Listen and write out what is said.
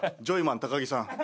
ジョイマン高木さん。